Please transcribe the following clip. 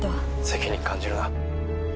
「責任感じるな。